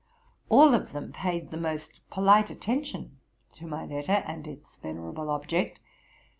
All of them paid the most polite attention to my letter, and its venerable object.